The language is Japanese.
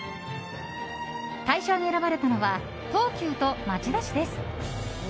大賞に選ばれたのは東急と町田市です。